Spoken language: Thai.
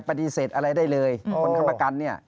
เป็นอะไรได้เลยผู้ค้ำประกัน